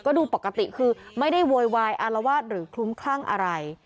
ก็ดูปกติคือไม่ได้โวยวายอารวาสหรือคลุ้มคลั่งอะไร